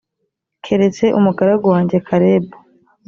keretse umugaragu wanjye kalebu